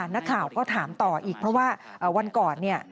นักข่าวก็ถามต่ออีกเพราะว่าวันก่อนเนี่ย